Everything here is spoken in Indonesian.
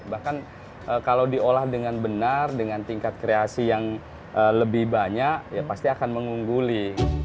bahkan kalau diolah dengan benar dengan tingkat kreasi yang lebih banyak ya pasti akan mengungguli